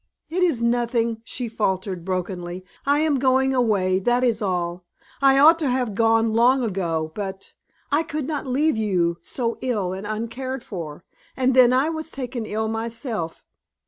"It is nothing," she faltered, brokenly. "I am going away that is all. I ought to have gone long ago, but I could not leave you so ill and uncared for; and then I was taken ill myself.